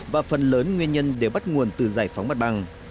và phần lớn nguyên nhân để bắt nguồn từ giải phóng mặt bằng